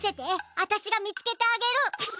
あたしがみつけてあげる。